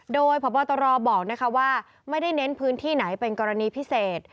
โดยพบตรบอกว่าไม่ได้เน้นพื้นที่ไหนเป็นกรณีพิเศษ